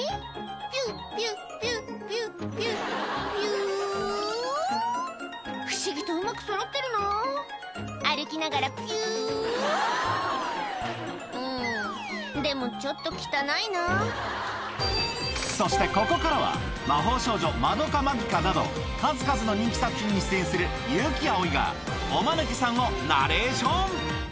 ピュピュピュピュピュピュ不思議とうまくそろってるな歩きながらピュうんでもちょっと汚いなそしてここからは『魔法少女まどか☆マギカ』など数々の人気作品に出演する悠木碧がおマヌケさんをナレーション